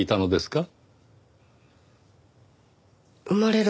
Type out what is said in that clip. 生まれる